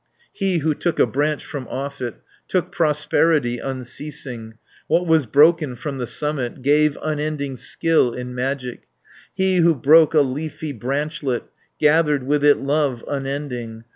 190 He who took a branch from off it, Took prosperity unceasing, What was broken from the summit, Gave unending skill in magic; He who broke a leafy branchlet, Gathered with it love unending.